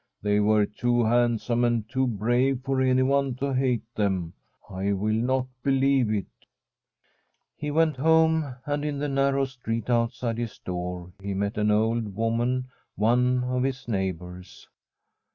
' They were too handsome and too brave for anyone to hate them ; I will not believe it/ He went home, and in the narrow street out side his door he met an old woman, one of his neighbours.